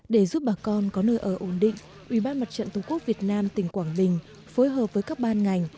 để giúp bà con có nơi ở ổn định ủy ban mặt trận tổ quốc việt nam tỉnh quảng bình phối hợp với các ban ngành